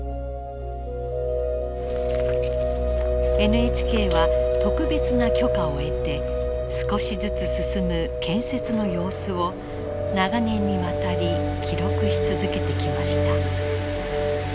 ＮＨＫは特別な許可を得て少しずつ進む建設の様子を長年にわたり記録し続けてきました。